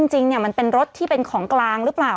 จริงมันเป็นรถที่เป็นของกลางหรือเปล่า